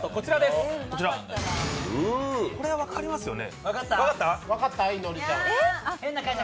これは分かりますよね？